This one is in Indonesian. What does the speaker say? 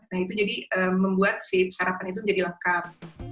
nah itu jadi membuat si sarapan itu menjadi lengkap